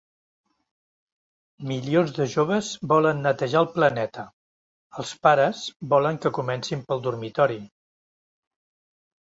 Milions de joves volen netejar el planeta; els pares volen que comencin pel dormitori.